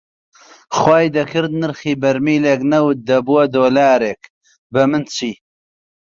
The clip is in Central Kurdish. خوای دەکرد نرخی بەرمیلێک نەوت دەبووە دۆلارێک، بەمن چی